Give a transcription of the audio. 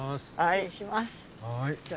失礼します。